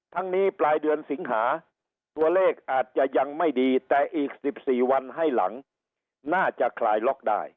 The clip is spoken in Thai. ทั้งนี้ปลายเดือนสิงหาตัวเลขอาจจะยังไม่ดีแต่อีก๑๔วันให้หลังน่าจะคลายล็อกได้